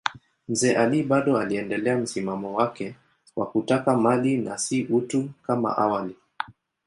Mzee Ali bado aliendelea msimamo wake wa kutaka mali na si utu kama awali.